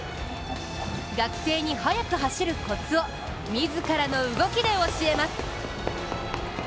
学生に速く走るコツを自らの動きで教えます。